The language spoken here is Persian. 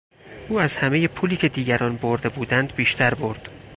او از همهی پولی که دیگران برده بودند بیشتر برد.